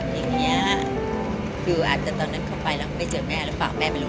อย่างเงี้ยคืออาจจะตอนนั้นเข้าไปหลังไปเจอแม่แล้วฝากแม่ไม่รู้